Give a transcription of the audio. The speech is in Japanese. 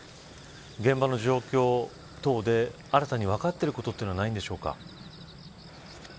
現場の状況等で新たに分かっていることはないのでしょうか。